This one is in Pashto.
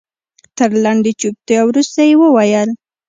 تر لنډې چوپتيا وروسته يې وويل.